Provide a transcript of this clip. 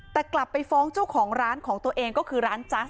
แต่กลับไปฟ้องเจ้าของร้านของตัวเองก็คือร้านจัส